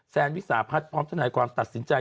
วิสาพัฒน์พร้อมทนายความตัดสินใจ